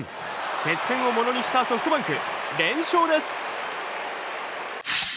接戦をものにしたソフトバンク連勝です。